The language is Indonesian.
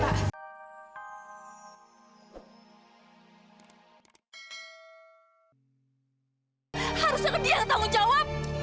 harusnya dia tanggung jawab